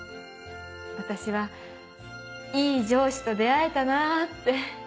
私はいい上司と出会えたなぁって。